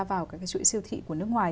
vào các chuỗi siêu thị của nước ngoài